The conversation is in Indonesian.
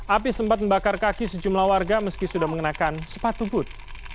api sempat membakar kaki sejumlah warga meski sudah mengenakan sepatu but